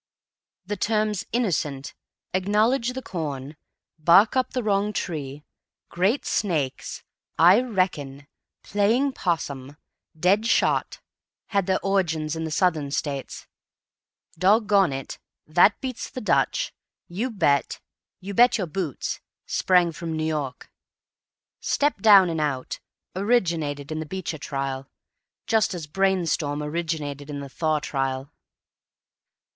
The terms "innocent," "acknowledge the corn," "bark up the wrong tree," "great snakes," "I reckon," "playing 'possum," "dead shot," had their origin in the Southern States. "Doggone it," "that beats the Dutch," "you bet," "you bet your boots," sprang from New York. "Step down and out" originated in the Beecher trial, just as "brain storm" originated in the Thaw trial.